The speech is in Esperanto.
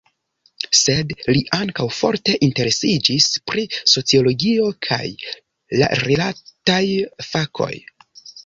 Sed li ankaŭ forte interesiĝis pri sociologio kaj la rilataj fakoj.